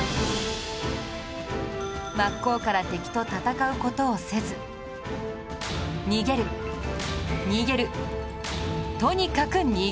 真っ向から敵と戦う事をせず逃げる逃げるとにかく逃げる！